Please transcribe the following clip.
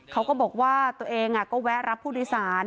เขาก็บอกว่าตัวเองก็แวะรับผู้โดยสาร